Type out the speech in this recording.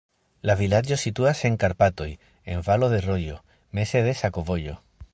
La vilaĝo situas en Karpatoj, en valo de rojo, meze de sakovojo.